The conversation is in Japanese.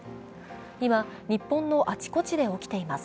今、日本のあちこちで起きています